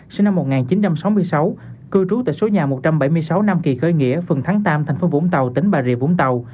sinh năm một nghìn chín trăm sáu mươi sáu cư trú tại số nhà một trăm bảy mươi sáu nam kỳ khơi nghĩa phần thắng tam thành phố vũng tàu tỉnh bà rịa vũng tàu